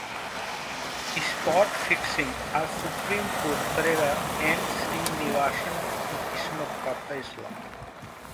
spot fixing आज supreme court करेगा N Srinivasan की किस्मत का फैसला